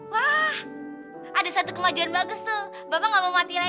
wah ada satu kemajuan bagus tuh bapak bisa berubah kembali ke tempat lainnya ya